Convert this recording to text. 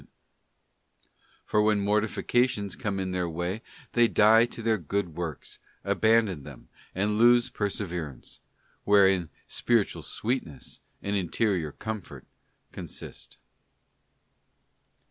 t+ For when mortifications come in their way they die to their good works, abandon them, and lose perse verance, wherein spiritual sweetness and interior comfort consist.